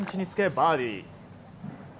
バーディー。